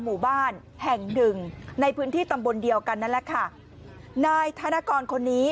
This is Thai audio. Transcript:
หมู่บ้านแห่งหนึ่งในพื้นที่ตำบลเดียวกันนั่นแหละค่ะนายธนกรคนนี้